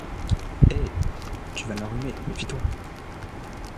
Eh! tu vas l’enrhumer, méfie-toi !